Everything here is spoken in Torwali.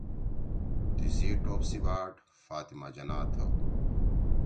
تیِسی ٹوپ سی باٹ فاطمہ جناح تھؤ